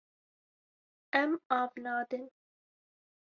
Em av nadin.